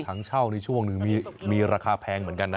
ทั้งเช่าในช่วงหนึ่งมีราคาแพงเหมือนกันนะ